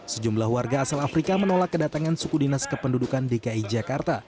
sejumlah warga asal afrika menolak kedatangan suku dinas kependudukan dki jakarta